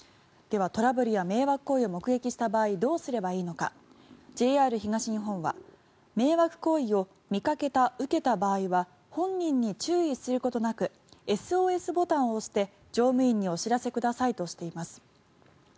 では、トラブルや迷惑行為を目撃した場合どうすればいいのかＪＲ東日本は迷惑行為を見かけた、受けた場合は本人に注意することなくＳＯＳボタンを押して乗務員にお知らせくださいとしています。